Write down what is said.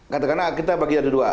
katakanlah kita bagi ada dua